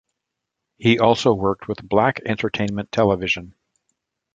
He also worked with Black Entertainment Television.